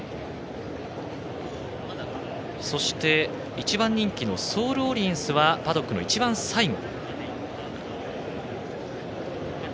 １番人気のソールオリエンスはパドックの一番最後。